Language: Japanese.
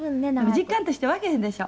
実感として湧けへんでしょ？